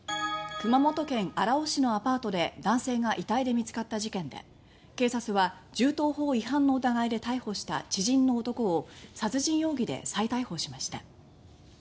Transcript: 熊本県荒尾市のアパートで男性が遺体で見つかった事件で警察は銃刀法違反の疑いで逮捕した知人の男を殺人容疑で再逮捕しました。